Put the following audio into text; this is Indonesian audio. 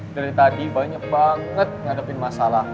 dari tadi banyak banget nyadepin masalah